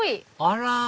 あら！